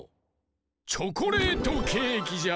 チョコレートケーキじゃ。